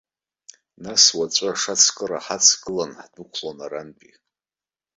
Нас уаҵәы ашацкыра ҳаҵагыланы ҳдәықәлон арантәи.